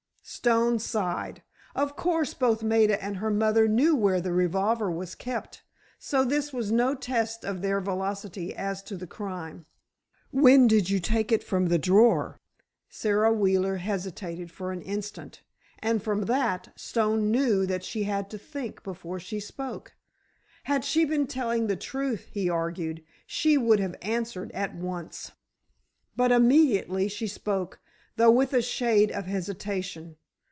Stone sighed. Of course, both Maida and her mother knew where the revolver was kept, so this was no test of their veracity as to the crime. "When did you take it from the drawer?" Sara Wheeler hesitated for an instant and from that, Stone knew that she had to think before she spoke. Had she been telling the truth, he argued, she would have answered at once. But immediately she spoke, though with a shade of hesitation.